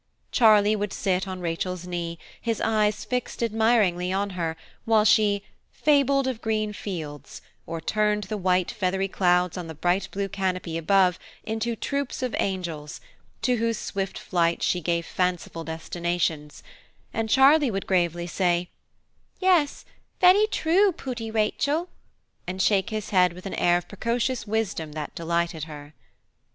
Charlie would sit on Rachel's knee, his eyes fixed admiringly on her, while she "fabled of green fields," or turned the white feathery clouds on the bright blue canopy above into troops of angels, to whose swift flight she gave fanciful destinations; and Charlie would gravely say, "Yes, veddy true, pooty Rachel," and shake his head with an air of precocious wisdom that delighted her.